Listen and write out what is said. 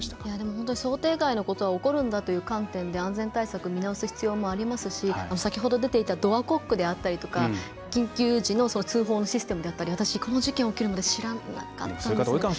本当、想定外のことが起こるんだという観点で安全対策見直す必要もありますし先ほど出ていたドアコックであったりとか緊急時の通報のシステムだったり私、この事件、起きるまで知らなかったんです。